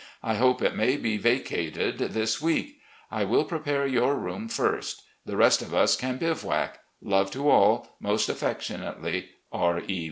I hope it may be vacated this week. I will prepare your room first. The rest of us can bivouac. Love to all. Most affectionately, R. E.